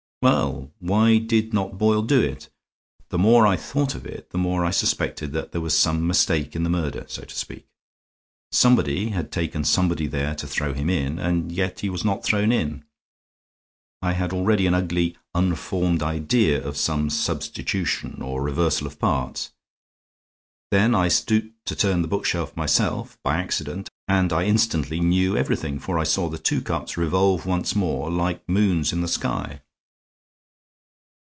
Well, why did not Boyle do it? The more I thought of it the more I suspected there was some mistake in the murder, so to speak. Somebody had taken somebody there to throw him in, and yet he was not thrown in. I had already an ugly, unformed idea of some substitution or reversal of parts; then I stooped to turn the bookstand myself, by accident, and I instantly knew everything, for I saw the two cups revolve once more, like moons in the sky."